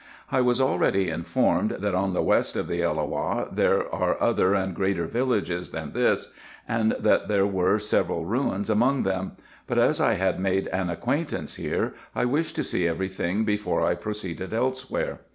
I was already informed, that on the west of the Elloah there are other and greater villages than this, and that there were several ruins among them ; but as I had made an acquaintance here, I wished to see every thing before I proceeded elsewhere.